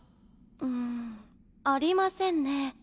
うんありませんね。